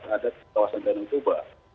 yang ada di kawasan dona toba